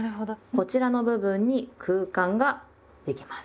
こちらの部分に空間ができます。